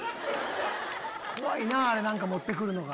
怖いなあれ何か持って来るのが。